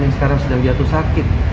yang sekarang sedang jatuh sakit